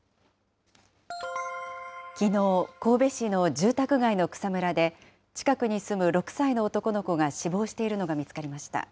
きのう、神戸市の住宅街の草むらで、近くに住む６歳の男の子が死亡しているのが見つかりました。